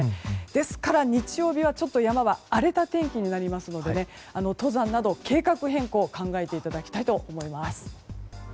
ですから日曜日は山は荒れた天気になりますから登山など、計画変更を考えていただきたいと思います。